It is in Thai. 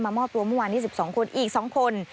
มอบตัวเมื่อวานนี้๑๒คนอีก๒คน